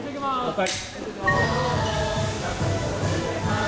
はい。